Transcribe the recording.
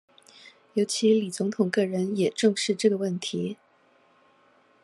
尤其李總統個人也重視這個問題